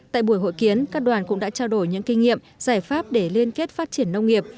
tại buổi hội kiến các đoàn cũng đã trao đổi những kinh nghiệm giải pháp để liên kết phát triển nông nghiệp